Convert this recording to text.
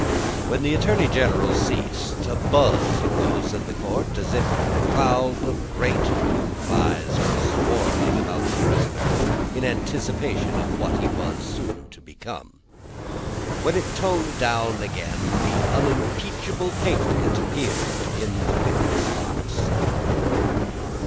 When the Attorney General ceased, a buzz arose in the court as if a cloud of great blue flies were swarming about the prisoner, in anticipation of what he was soon to become. When toned down again, the unimpeachable patriot appeared in the witness box.